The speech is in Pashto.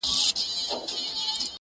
سپی پر خپل مالک د حد له پاسه ګران ؤ,